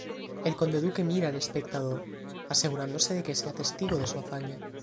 El conde-duque mira al espectador, asegurándose de que sea testigo de su hazaña.